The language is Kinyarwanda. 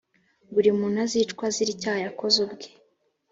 buri muntu azicwe azira icyaha yakoze ubwe.